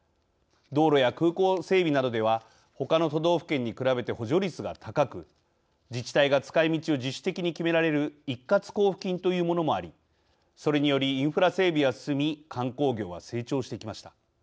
道路や空港整備などではほかの都道府県に比べて補助率が高く自治体が使いみちを自主的に決められる一括交付金というものもありそれによりインフラ整備は進み観光業は成長してきました。